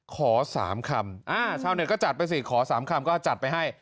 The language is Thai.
ขอสามคำอ่าชาวเหนือก็จัดไปสิขอสามคำก็จัดไปให้